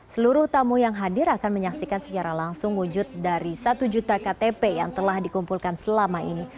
seluruh tamu yang hadir akan menyaksikan secara langsung wujud dari satu juta ktp yang telah dikumpulkan selama ini